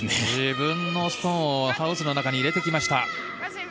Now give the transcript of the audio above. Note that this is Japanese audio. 自分のストーンをハウスの中に入れてきました。